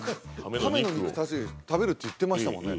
カメの肉確かに食べるって言ってましたもんね